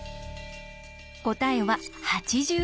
答えは８４。